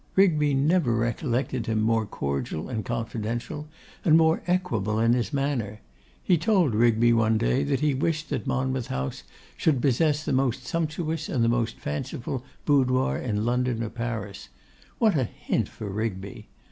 Rigby never recollected him more cordial and confidential, and more equable in his manner. He told Rigby one day, that he wished that Monmouth House should possess the most sumptuous and the most fanciful boudoir in London or Paris. What a hint for Rigby!